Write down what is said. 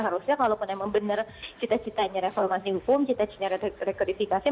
harusnya kalau memang benar cita citanya reformasi hukum cita cita rekodifikasi